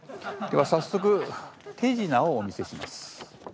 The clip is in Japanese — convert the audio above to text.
では早速手品をお見せします。